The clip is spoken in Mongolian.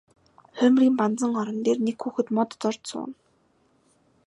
Хоймрын банзан орон дээр нэг хүүхэд мод зорьж сууна.